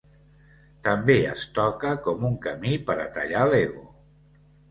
També es toca com un camí per a tallar l'ego.